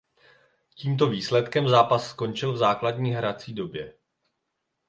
Tímto výsledkem zápas skončil v základní hrací době.